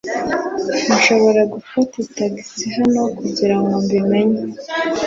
Nshobora gufata tagisi hano kugirango mbi menye